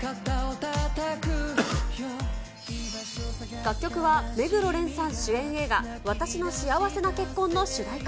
楽曲は目黒蓮さん主演映画、わたしの幸せな結婚の主題歌。